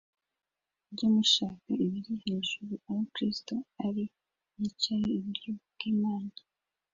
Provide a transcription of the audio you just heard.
mujye mushaka ibiri hejuru aho Kristo ari yicaye iburyo bw’Imana